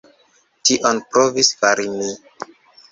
Tion provis fari mi.